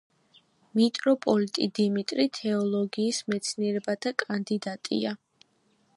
მიტროპოლიტი დიმიტრი თეოლოგიის მეცნიერებათა კანდიდატია.